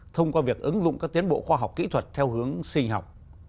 thông qua việc ứng dụng các tiến bộ khoa học kỹ thuật theo hướng sinh học